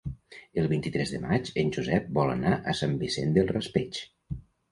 El vint-i-tres de maig en Josep vol anar a Sant Vicent del Raspeig.